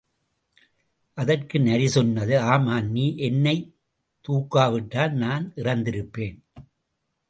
அதற்கு நரி சொன்னது, ஆமாம் நீ என்னைத் தூக்காவிட்டால் நான் இறந்திருப்பேன்.